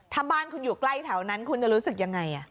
ถ้าบ้านคุณอยู่ใกล้แถวนั้นคุณจะรู้สึกยังไง